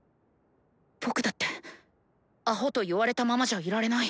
僕だってアホと言われたままじゃいられない！